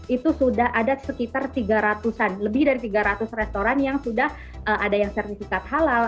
itu sudah ada sekitar tiga ratus an lebih dari tiga ratus restoran yang sudah ada yang sertifikat halal